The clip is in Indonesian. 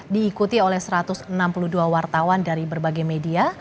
diikuti oleh satu ratus enam puluh dua wartawan dari berbagai media